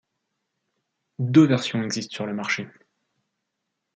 Deux versions existent sur le marché.